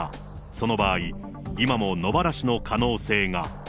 その場合、今も野放しの可能性が。